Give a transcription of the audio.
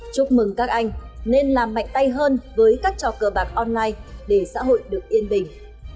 chúc mừng các anh nên làm mạnh tay hơn với các trò cờ bạc online để xã hội được yên bình